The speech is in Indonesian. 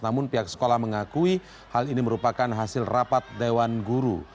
namun pihak sekolah mengakui hal ini merupakan hasil rapat dewan guru